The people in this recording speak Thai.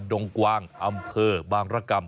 ดงกวางอำเภอบางรกรรม